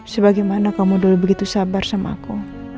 sebagaimana kamu dulu begitu sabar sama aku